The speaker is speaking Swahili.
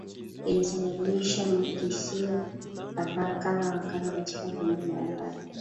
Imesababisha makisio kadha wa kadha katika vyombo vya habari